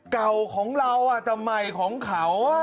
เก่าของเราแต่ใหม่ของเขา